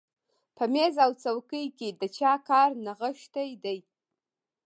په مېز او څوکۍ کې د چا کار نغښتی دی